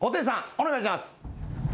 お願いします。